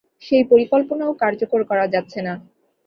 সেই পরিকল্পনাও কার্যকর করা যাচ্ছে না।